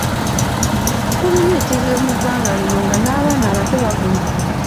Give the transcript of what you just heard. Tulina ekizibu mu ggwanga lino nga n'abaana abato bavuma.